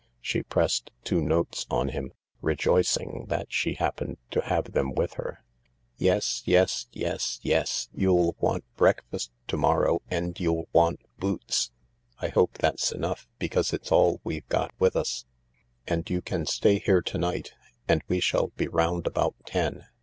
She pressed two notes on him, rejoicing that she happened to have them with her, " Yes, yes, yes, yes ! You'll want breakfast to morrow, and you'll want boots. I hope that's enough, because it's all we've got with, us, and you can stay 140 THE LARK here to night and we shall be round about ten.